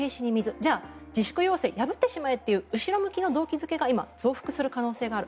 じゃあ自粛要請を破ってしまえという後ろ向きの動機付けが今、増幅する可能性がある。